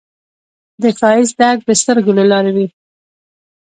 د ښایست درک د سترګو له لارې وي